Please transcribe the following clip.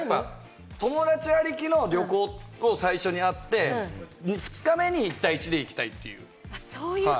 友達ありきの旅行が最初にあって、２日目に１対１で行きたいっていう。